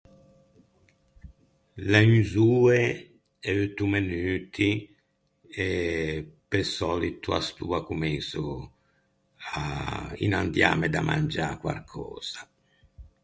L’é unz’oe e eutto menuti e pe sòlito à st’oa comenso à inandiâme da mangiâ quarcösa.